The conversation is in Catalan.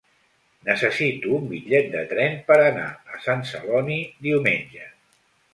Necessito un bitllet de tren per anar a Sant Celoni diumenge.